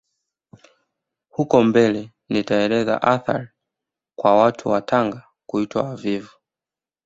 Huko mbele nitaeleza athari kwa watu wa Tanga kuitwa wavivu